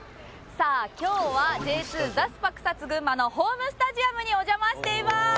さあ今日はＪ２ザスパクサツ群馬のホームスタジアムにお邪魔しています！